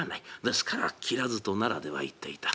ですから「きらず」と奈良では言っていた。